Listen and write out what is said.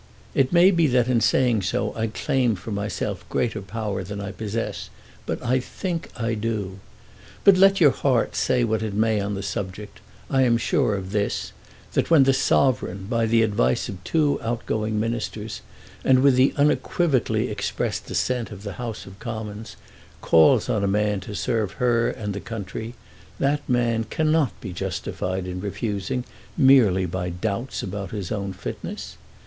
It may be that in saying so I claim for myself greater power than I possess, but I think I do. But let your heart say what it may on the subject, I am sure of this, that when the Sovereign, by the advice of two outgoing Ministers, and with the unequivocally expressed assent of the House of Commons, calls on a man to serve her and the country, that man cannot be justified in refusing, merely by doubts about his own fitness.